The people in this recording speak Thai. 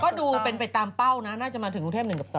ก็ดูตามเป้าน่าจะมาถึงทุนเทพฯ๑กับ๒